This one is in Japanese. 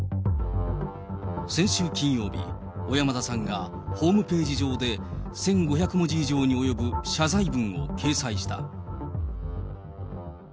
先週金曜日、小山田さんがホームページ上で１５００文字以上に及ぶ謝罪文を掲載した。